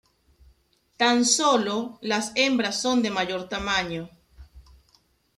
Tan solo, las hembras son de mayor tamaño.